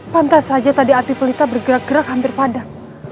pantas saja tadi api pelita bergerak gerak hampir padat